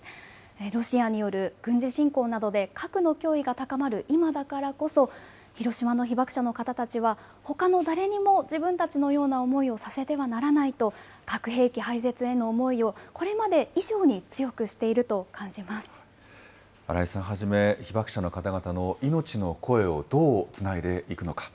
ロシアによる軍事侵攻などで核の脅威が高まる今だからこそ、広島の被爆者の方たちは、ほかのだれにも自分たちのような思いをさせてはならないと、核兵器廃絶への思いをこれまで以上に強くしてい新井さんはじめ、被爆者の方々の命の声をどうつないでいくのか。